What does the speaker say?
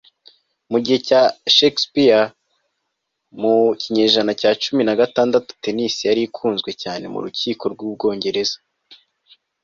Mu gihe cya Shakespeare mu kinyejana cya cumi na gatandatu tennis yari ikunzwe cyane mu rukiko rwUbwongereza